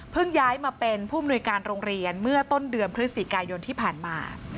ย้ายมาเป็นผู้มนุยการโรงเรียนเมื่อต้นเดือนพฤศจิกายนที่ผ่านมา